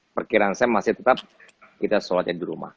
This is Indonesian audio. perkiraan saya masih tetap kita sholatnya di rumah